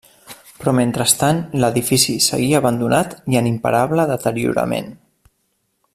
Però mentrestant l'edifici seguia abandonat i en imparable deteriorament.